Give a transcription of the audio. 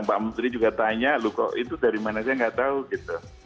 pak menteri juga tanya loh kok itu dari mana saya nggak tahu gitu